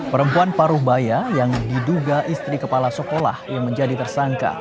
perempuan paruh baya yang diduga istri kepala sekolah yang menjadi tersangka